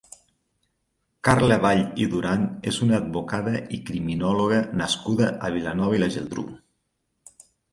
Carla Vall i Duran és una advocada i criminòloga nascuda a Vilanova i la Geltrú.